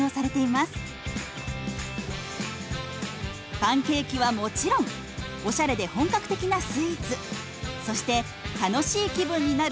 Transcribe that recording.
パンケーキはもちろんおしゃれで本格的なスイーツそして楽しい気分になる